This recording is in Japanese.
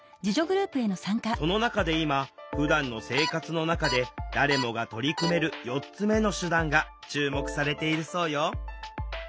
その中で今ふだんの生活の中で誰もが取り組める４つ目の手段が注目されているそうよ。